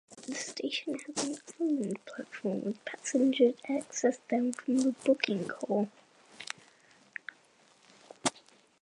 The station has an island platform with passenger access down from the booking hall.